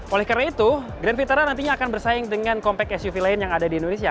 oleh karena itu grand vitara nantinya akan bersaing dengan compact suv lain yang ada di indonesia